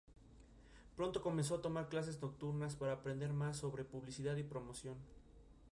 Pronto comenzó a tomar clases nocturnas para aprender más sobre publicidad y promoción.